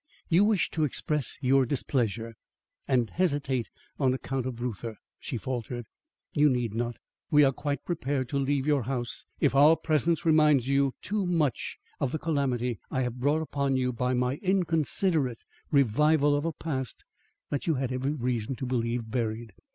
"You wish to express your displeasure, and hesitate on account of Reuther," she faltered. "You need not. We are quite prepared to leave your house if our presence reminds you too much of the calamity I have brought upon you by my inconsiderate revival of a past you had every reason to believe buried."